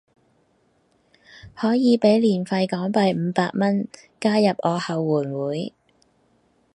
可以俾年費港幣五百蚊加入我後援會